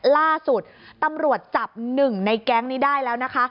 ล่าสุดตำรวจจับหนึ่งในแก๊งนี้ได้แล้วนะคะ